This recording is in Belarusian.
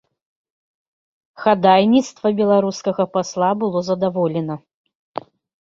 Хадайніцтва беларускага пасла было задаволена.